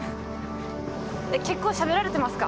結構しゃべられてますか？